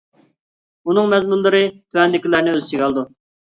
ئۇنىڭ مەزمۇنلىرى تۆۋەندىكىلەرنى ئۆز ئىچىگە ئالىدۇ.